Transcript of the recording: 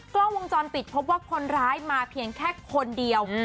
กล้องวงจรปิดพบว่าคนร้ายมาเพียงแค่คนเดียว